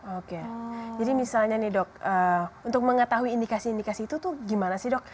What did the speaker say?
oke jadi misalnya untuk mengetahui indikasi indikasi itu gimana sih dok